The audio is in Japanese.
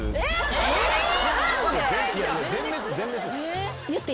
えっ！